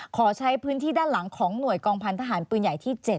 ขอใช้พื้นที่ด้านหลังของหน่วยกองพันธหารปืนใหญ่ที่๗